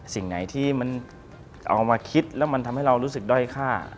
สิ่งไหนที่มันเอามาคิดแล้วมันทำให้เรารู้สึกด้อยค่า